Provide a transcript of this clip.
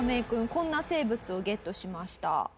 こんな生物をゲットしました。